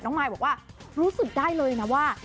มายบอกว่ารู้สึกได้เลยนะว่า